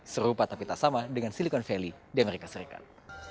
serupa tapi tak sama dengan silicon valley di amerika serikat